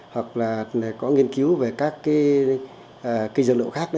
hoặc là có nghiên cứu về các cái dược liệu khác